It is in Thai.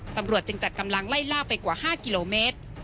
ตำรวจจึงจัดกำลังไล่ล่าไปกว่า๕กิโลเมตร